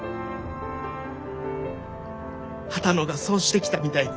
波多野がそうしてきたみたいに。